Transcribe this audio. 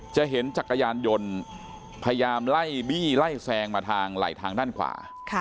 จะเห็นจักรยานยนต์พยายามไล่บี้ไล่แซงมาทางไหลทางด้านขวา